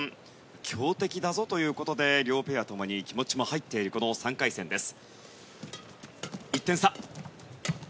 強敵だぞということで両ペアともに気持ちも入っているこの３回戦です。